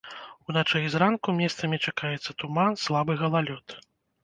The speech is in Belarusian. Уначы і зранку месцамі чакаецца туман, слабы галалёд.